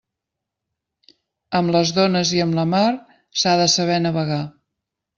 Amb les dones i amb la mar, s'ha de saber navegar.